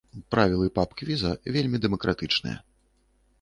Правілы паб-квіза вельмі дэмакратычныя.